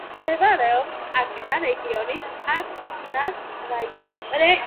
მდებარეობს ტაკნა რეგიონის, ტაკნას რაიონში.